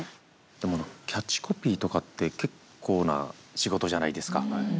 でもキャッチコピーとかって結構な仕事じゃないですか。